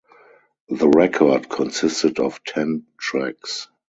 The record consisted of ten tracks.